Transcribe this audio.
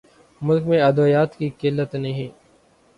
ملک میں ادویات کی قلت نہیں